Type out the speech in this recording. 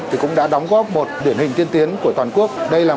thì cũng đã đóng góp một điển hình tiên tiến của toàn quốc